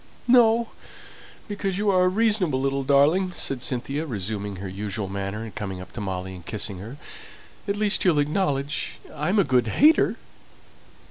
"No, because you are a reasonable little darling," said Cynthia, resuming her usual manner, and coming up to Molly, and kissing her. "At least you'll acknowledge I'm a good hater!"